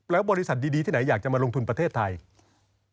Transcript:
แล้วบริษัทดีที่ไหนอยากจะมาลงทุนประเทศไทย